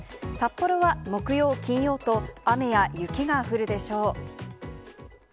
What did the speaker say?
札幌は木曜、金曜と、雨や雪が降るでしょう。